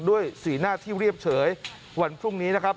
สีหน้าที่เรียบเฉยวันพรุ่งนี้นะครับ